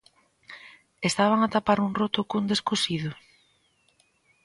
¿Estaban a tapar un roto cun descosido?